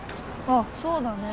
あっそうだね。